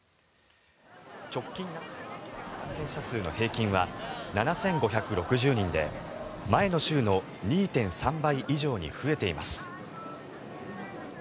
直近７日間の感染者数の平均は７５６０人で前の週の２．３倍以上に増えています。